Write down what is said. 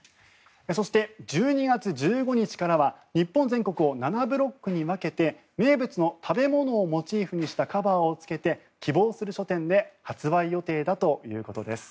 そして、１２月１５日からは日本全国を７ブロックに分けて名物の食べ物をモチーフにしたカバーをつけて希望する書店で発売予定だということです。